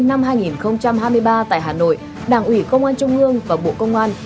ngày một mươi sáu tháng hai năm hai nghìn hai mươi ba tại hà nội đảng ủy công an trung ương và bộ công an